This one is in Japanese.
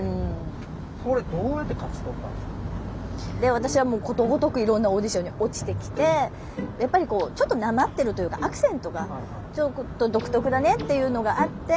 私はもうことごとくいろんなオーディションに落ちてきてやっぱりちょっとなまってるというかアクセントがちょっと独特だねっていうのがあって。